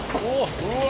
うわ！